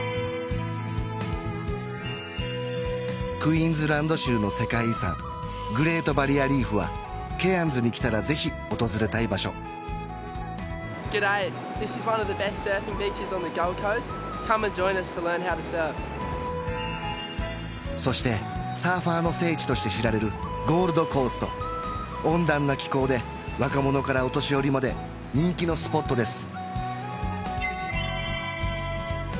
クイーンズランド州の世界遺産グレートバリアリーフはケアンズに来たらぜひ訪れたい場所そしてサーファーの聖地として知られるゴールドコースト温暖な気候で若者からお年寄りまで人気のスポットです